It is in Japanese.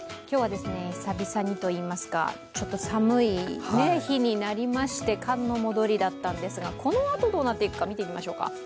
今日は久々にといいますか、ちょっと寒い日になりまして、寒の戻りだったんですがこのあとどうなっていくか見てみましょうか。